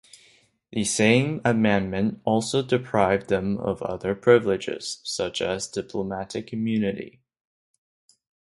The same amendment also deprived them of other privileges, such as diplomatic immunity.